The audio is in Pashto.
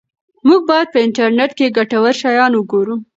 موږ باید په انټرنیټ کې ګټور شیان وګورو.